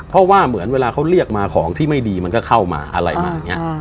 เพราะว่าเหมือนเวลาเขาเรียกมาของที่ไม่ดีมันก็เข้ามาอะไรมาอย่างนี้